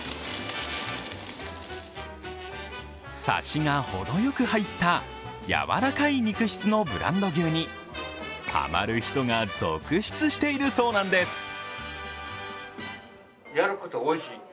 さしがほどよく入ったやわらかい肉質のブランド牛にハマる人が続出しているそうなんです。